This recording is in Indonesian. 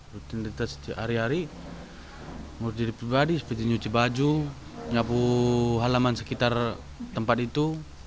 routine kita setiap hari hari menurut diri pribadi seperti nyuci baju nyapu halaman sekitar tempat itu